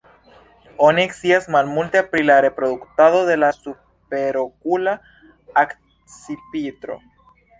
Oni scias malmulte pri la reproduktado de la Superokula akcipitro.